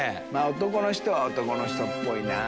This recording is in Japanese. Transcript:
男の人は男の人っぽいな。